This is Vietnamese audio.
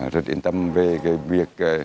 rất yên tâm về việc